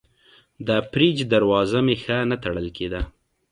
د فریج دروازه مې ښه نه تړل کېده.